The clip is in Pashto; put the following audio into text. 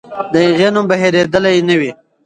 د هغې نوم به هېرېدلی نه وي.